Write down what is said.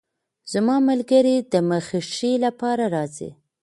زما ملګرې د مخې ښې لپاره راځي.